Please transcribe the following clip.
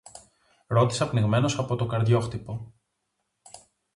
ρώτησα πνιγμένος από το καρδιόχτυπο.